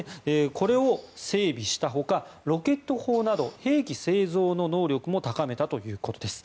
これを整備した他ロケット砲など兵器製造の能力も高めたということです。